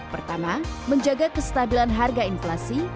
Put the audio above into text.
pertama menjaga kestabilan harga inflasi